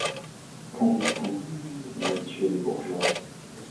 Qu’en dites-vous, messieurs les bourgeois ?